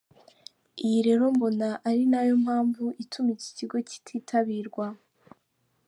Iyi rero mbona ari na yo mpamvu ituma iki kigo kititabirwa».